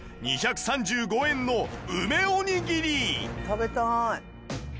食べたい！